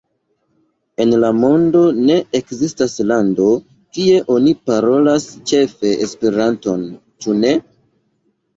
En la mondo ne ekzistas lando, kie oni parolas ĉefe Esperanton, ĉu ne?